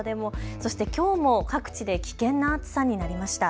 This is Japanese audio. そしてきょうも各地で危険な暑さになりました。